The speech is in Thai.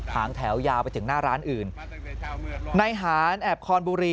หางแถวยาวไปถึงหน้าร้านอื่นในหารแอบคอนบุรี